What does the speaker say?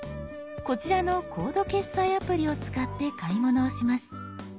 こちらのコード決済アプリを使って買い物をします。